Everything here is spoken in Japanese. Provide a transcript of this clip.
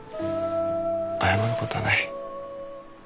謝ることはない。